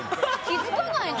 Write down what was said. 「気付かないの？」